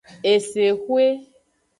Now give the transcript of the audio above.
Esexwe.